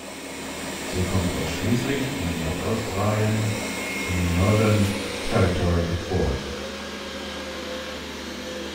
Sie kommt ausschließlich in Nordaustralien im Northern Territory vor.